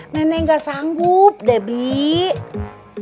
nenek ga sanggup debbie